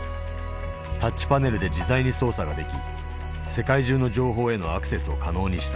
タッチパネルで自在に操作ができ世界中の情報へのアクセスを可能にした。